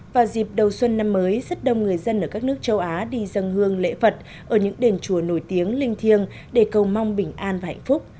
vào dịp đầu xuân năm mới rất đông người dân ở các nước châu á đi dân hương lễ phật ở những đền chùa nổi tiếng linh thiêng để cầu mong bình an và hạnh phúc